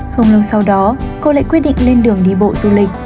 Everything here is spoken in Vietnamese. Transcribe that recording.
không lâu sau đó cô lại quyết định lên đường đi bộ du lịch